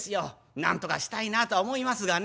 なんとかしたいなとは思いますがね」。